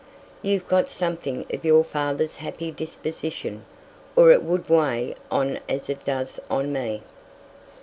You've got something of your father's happy disposition, or it would weigh on you as it does on me."